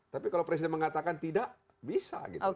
tapi kalau presiden mengatakan tidak bisa gitu